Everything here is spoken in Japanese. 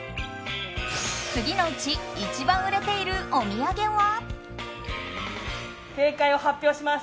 次のうち一番売れているお土産は？